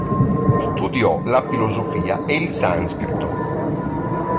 Studiò la filosofia e il sanscrito.